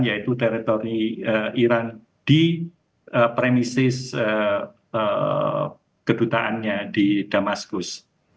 yaitu teritori iran di premisis kedutaannya di damaskus